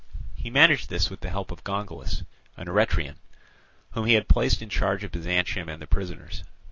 He managed this with the help of Gongylus, an Eretrian, whom he had placed in charge of Byzantium and the prisoners.